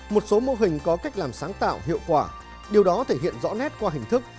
một số mô hình có cách làm sáng tạo hiệu quả điều đó thể hiện rõ nét qua hình thức